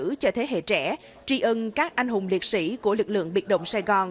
các lịch sử cho thế hệ trẻ tri ân các anh hùng liệt sĩ của lực lượng biệt động sài gòn